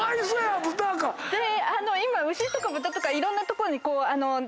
今牛とか豚とかいろんなとこにこう。